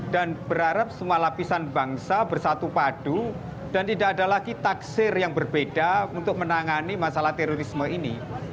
dan berharap semua lapisan bangsa bersatu padu dan tidak ada lagi taksir yang berbeda untuk menangani masalah terorisme ini